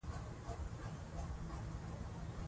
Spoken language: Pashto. آیا علم یوازې د نارینه وو لپاره دی؟